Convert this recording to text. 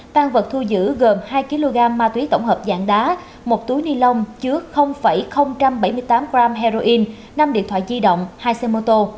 tăng vật thu giữ gồm hai kg ma túy tổng hợp dạng đá một túi ni lông chứa bảy mươi tám g heroin năm điện thoại di động hai xe mô tô